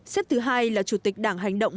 xếp thứ hai là chủ tịch đảng hành động